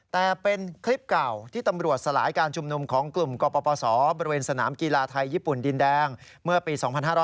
แต่เป็นคลิปเก่าที่ตำรวจสลายการชุมนุมของกลุ่มกปศบริเวณสนามกีฬาไทยญี่ปุ่นดินแดงเมื่อปี๒๕๕๙